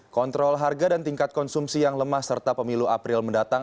kontrol harga dan tingkat konsumsi yang lemah serta pemilu april mendatang